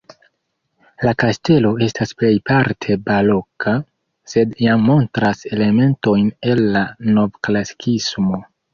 La kastelo estas plejparte baroka, sed jam montras elementojn el la novklasikismo.